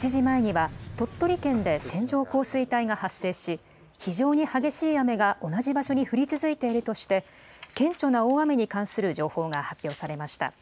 午前８時前には、鳥取県で線状降水帯が発生し、非常に激しい雨が同じ場所に降り続いているとして、顕著な大雨に関する情報が発表されました。